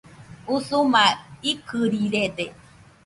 Usuma ikɨrirede